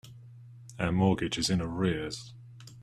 Our mortgage is in arrears.